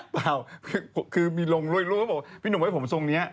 เปล่าคือมีลงร่วยรู้พี่หนุ่มไว้ผมทรงนี้